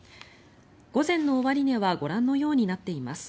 午前の終値はご覧のようになっています。